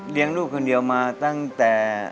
ลูกคนเดียวมาตั้งแต่